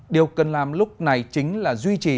điều cần làm lúc này chính là duy trì